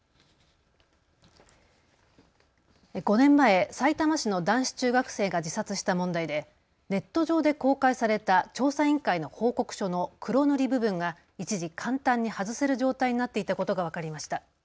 ５年前、さいたま市の男子中学生が自殺した問題でネット上で公開された調査委員会の報告書の黒塗り部分が一時、簡単に外せる状態になっていたことが分かりました。